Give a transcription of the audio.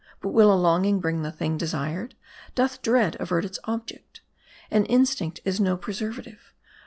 But will a longing bring the thing desired ? Doth dread avert its object ? An instinct is no pre servative.